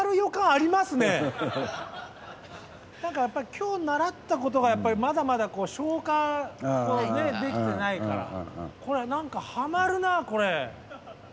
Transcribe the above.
今日習ったことがやっぱりまだまだ消化できてないからこれ何かハマるなこれ。